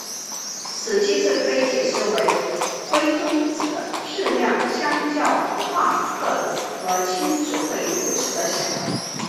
此机制可以解释为何微中子的质量相较夸克和轻子会如此地小。